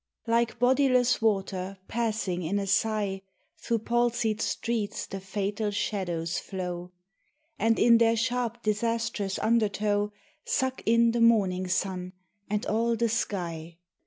Like bodiless water passing in a sigh, Through palsied streets the fatal shadows flow, And in their sharp disastrous undertow Suck in the morning sun, and all the sky.